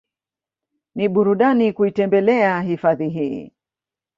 Ni burudani kuitembelea hifadhi hii